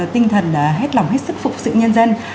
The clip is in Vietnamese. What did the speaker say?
tinh thần hết lòng hết sức phục sự nhân dân